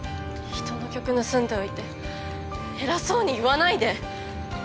人の曲盗んでおいて偉そうに言わないで！